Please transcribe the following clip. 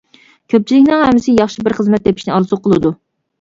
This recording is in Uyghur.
كۆپچىلىكنىڭ ھەممىسى ياخشى بىر خىزمەت تېپىشنى ئارزۇ قىلىدۇ.